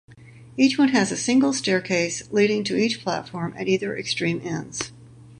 Each one has a single staircase leading to each platform at either extreme ends.